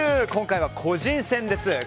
今回は、個人戦です。